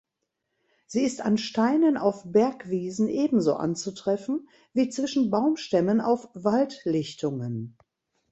Sie ist an Steinen auf Bergwiesen ebenso anzutreffen wie zwischen Baumstämmen auf Waldlichtungen.